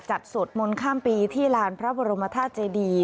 สวดมนต์ข้ามปีที่ลานพระบรมธาตุเจดี